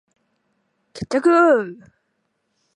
決着ゥゥゥゥゥ！